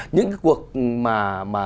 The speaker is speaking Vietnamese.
những cái cuộc mà